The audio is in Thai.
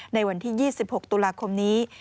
ในวันที่๒๖ตุลาคมนี้